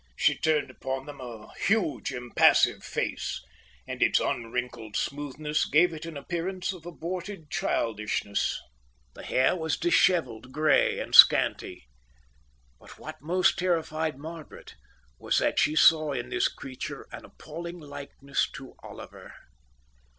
She turned upon them a huge, impassive face; and its unwrinkled smoothness gave it an appearance of aborted childishness. The hair was dishevelled, grey, and scanty. But what most terrified Margaret was that she saw in this creature an appalling likeness to Oliver.